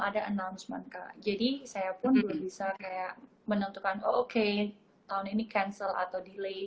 ada announcement kak jadi saya pun belum bisa kayak menentukan oke tahun ini cancel atau delay